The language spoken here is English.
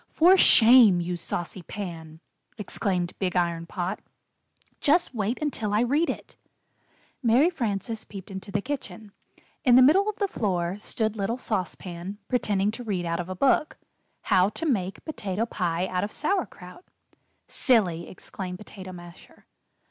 "For shame, you saucy Pan!" exclaimed Big Iron Pot. "Just wait until I read it!" Mary Frances peeped into the kitchen. In the middle of the floor stood little Sauce Pan, pretending to read out of a book: "'How to Make Potato Pie Out of Sauer kraut.'" "Silly!" exclaimed Potato Masher.